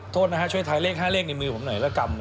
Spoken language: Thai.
โทษนะฮะช่วยถ่ายเลข๕เลขในมือผมหน่อยแล้วกลับมานี่